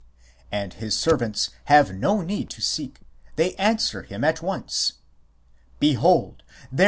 And his servants have no need to seek ; they answer him at once : ;c Behold, there is a i Cp.